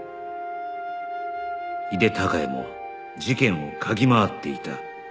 井手孝也も事件を嗅ぎ回っていた